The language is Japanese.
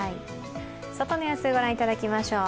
外の様子ご覧いただきましょう。